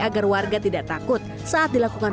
agar warga tidak takut saat dilakukan